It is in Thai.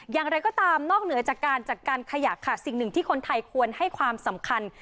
อย่างไรก็ตามนอกเหนือจากการจัดการขยะค่ะสิ่งหนึ่งที่คนไทยควรให้ความสำคัญ